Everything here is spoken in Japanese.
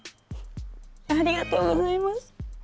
ありがとうございます。